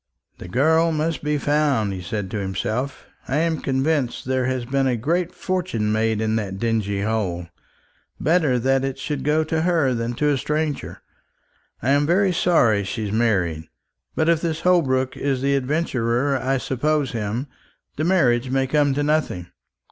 "The girl must be found," he said to himself. "I am convinced there has been a great fortune made in that dingy hole. Better that it should go to her than to a stranger. I'm very sorry she's married; but if this Holbrook is the adventurer I suppose him, the marriage may come to nothing.